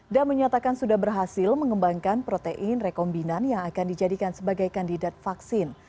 dan menyatakan sudah berhasil mengembangkan protein rekombinan yang akan dijadikan sebagai kandidat vaksin